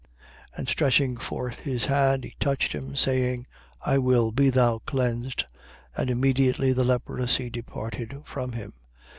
5:13. And stretching forth his hand, he touched him, saying: I will. Be thou cleansed. And immediately the leprosy departed from him.